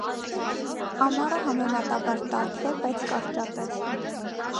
Ամառը համեմատաբար տաք է, բայց կարճատև։